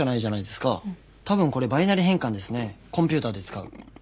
コンピューターで使う。